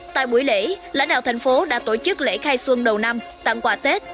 tại buổi lễ lãnh đạo thành phố đã tổ chức lễ khai xuân đầu năm tặng quà tết